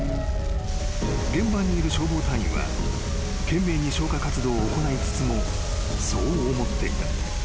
［現場にいる消防隊員は懸命に消火活動を行いつつもそう思っていた］